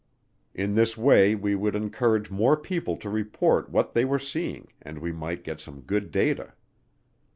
In this way we would encourage more people to report what they were seeing and we might get some good data.